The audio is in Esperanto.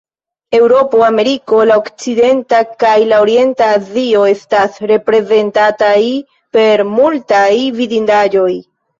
Eŭropo, Ameriko, La Okcidenta kaj la Orienta Azio estas reprezentataj per multaj vidindaĵoj.